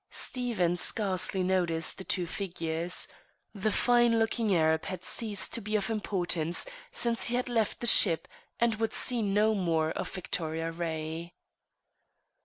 Stephen scarcely noticed the two figures. The fine looking Arab had ceased to be of importance since he had left the ship, and would see no more of Victoria Ray.